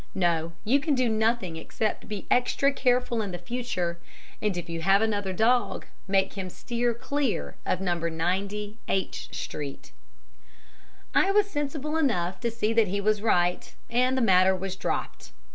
No, you can do nothing except to be extra careful in future, and if you have another dog make him steer clear of No. 90 H Street.' "I was sensible enough to see that he was right, and the matter dropped.